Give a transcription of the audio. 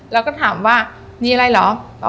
แล้วก็ถามว่ามีอะไรเหรอ